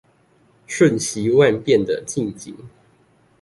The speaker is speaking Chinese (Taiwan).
瞬息萬變的近景